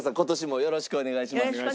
よろしくお願いします。